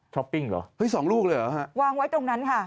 ปิ้งเหรอเฮ้ยสองลูกเลยเหรอฮะวางไว้ตรงนั้นค่ะ